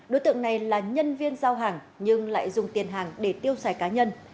đối tượng này là nhân viên giao hàng nhưng lại dùng tiền hàng để tiêu xài cá nhân